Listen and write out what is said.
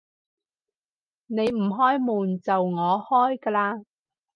你唔開門，就我開㗎喇